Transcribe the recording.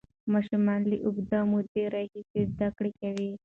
ماشومان له اوږدې مودې راهیسې زده کړه کوي.